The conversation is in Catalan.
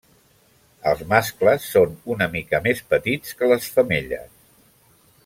Els mascles són una mica més petits que les femelles.